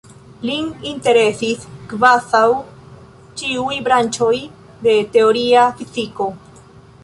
Lin interesis kvazaŭ ĉiuj branĉoj de teoria fiziko.